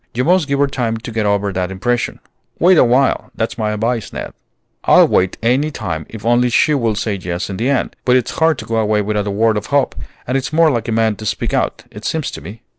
You must give her time to get over that impression. Wait awhile; that's my advice, Ned." "I'll wait any time if only she will say yes in the end. But it's hard to go away without a word of hope, and it's more like a man to speak out, it seems to me."